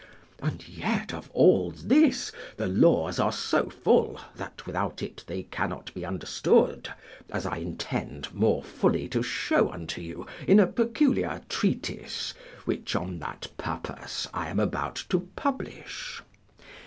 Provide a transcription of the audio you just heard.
And yet of all this the laws are so full that without it they cannot be understood, as I intend more fully to show unto you in a peculiar treatise which on that purpose I am about to publish.